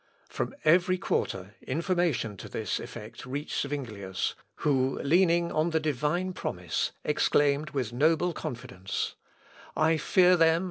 From every quarter information to this effect reached Zuinglius, who, leaning on the divine promise, exclaimed with noble confidence, "I fear them